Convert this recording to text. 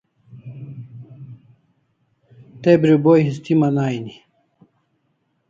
Te bribo histiman aini